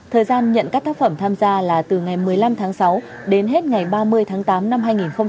thời gian nhận các tác phẩm tham gia là từ ngày một mươi năm tháng sáu đến hết ngày ba mươi tháng tám năm hai nghìn hai mươi